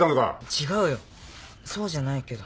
違うよそうじゃないけど。